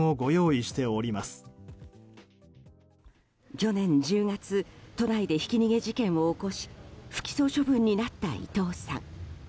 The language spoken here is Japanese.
去年１０月都内でひき逃げ事件を起こし不起訴処分になった伊藤さん。